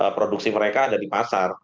produksi mereka ada di pasar